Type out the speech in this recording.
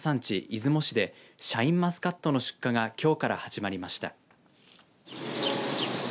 出雲市でシャインマスカットの出荷がきょうから始まりました。